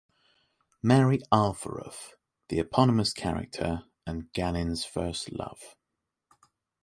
Mary Alfyorov - The eponymous character and Ganin's first love.